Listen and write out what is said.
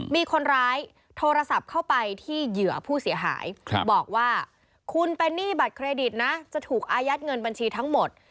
มีคนร้ายโทรศัพท์เข้าไปที่เหยื่อผู้เสียหายบอกว่าคุณเป็นหนี้บัตรเครดิตนะจะถูกอายัดเงินบัญชีทั้งหมด